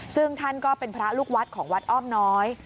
ซึ่งท่านก็เป็นพระลูกวัดของวัดอ้อมน้อย